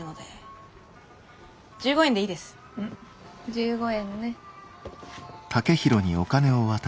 １５円ね。